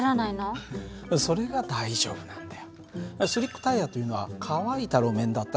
それが大丈夫なんだよ。